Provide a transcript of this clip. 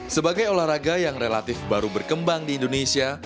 sebagai olahraga yang relatif baru berkembang di indonesia